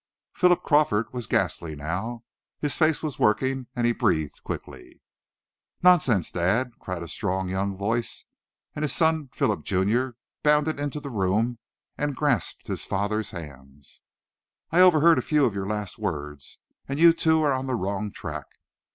Philip Crawford was ghastly now. His face was working and he breathed quickly. "Nonsense, Dad!" cried a strong, young voice, and his son, Philip, Jr., bounded into the room and grasped his father's hands. "I overheard a few of your last words, and you two are on the wrong track.